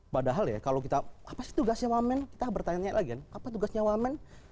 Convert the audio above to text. padahal ya kalau kita apa sih tugasnya wamen kita bertanya tanya lagi kan apa tugasnya wamen